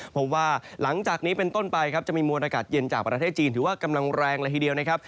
เพราะว่าหลังจากนี้เป็นต้นไปครับจะมีมวลอากาศเย็นจากประเทศจีนถือว่ากำลังแรงละทีเดียวนะครับ